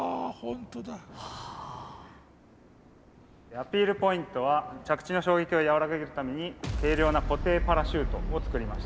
アピールポイントは着地の衝撃を和らげるために軽量な固定パラシュートを作りました。